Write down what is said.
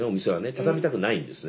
畳みたくないんですね。